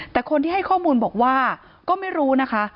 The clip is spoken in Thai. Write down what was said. แต่คนที่ให้ข้อมูลบอกว่าก็ไม่รู้นะคะ